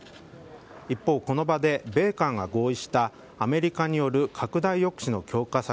一方、この場で米韓が合意したアメリカによる拡大抑止の強化策